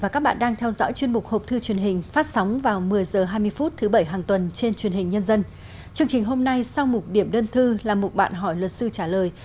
chương trình hôm nay sau một điểm đơn thư là một bạn hỏi luật sư trả lời